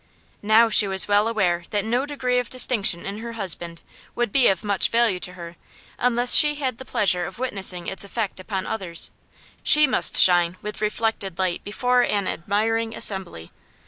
Now she was well aware that no degree of distinction in her husband would be of much value to her unless she had the pleasure of witnessing its effect upon others; she must shine with reflected light before an admiring assembly.